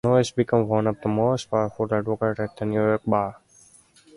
Noyes became one of the most powerful advocates at the New York bar.